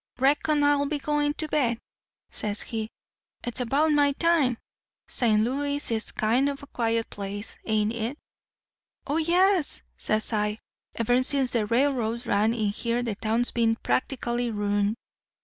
"'Reckon I'll be going to bed,' says he; 'it's about my time. St. Louis is a kind of quiet place, ain't it?' "'Oh, yes,' says I; 'ever since the railroads ran in here the town's been practically ruined.